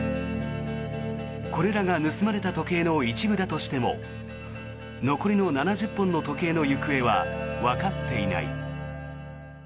これらが盗まれた時計の一部だとしても残りの７０本の時計の行方はわかっていない。